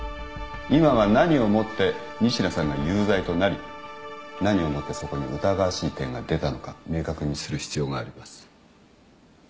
今は何をもって仁科さんが有罪となり何をもってそこに疑わしい点が出たのか明確にする必要があります。